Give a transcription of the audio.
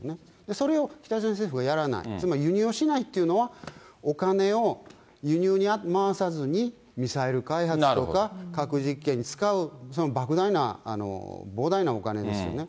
それを北朝鮮政府はやらない、つまり輸入をしないっていうのは、お金を輸入に回さずに、ミサイル開発とか、核実験に使う、そのばく大な膨大なお金ですよね。